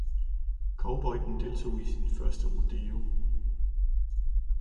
Cowboyen deltog i sit første rodeo